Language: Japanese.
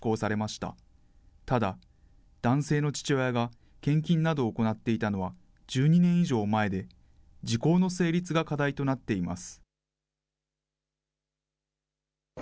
ただ、男性の父親が献金などを行っていたのは、１２年以上前で、時効の成立が課題となっています。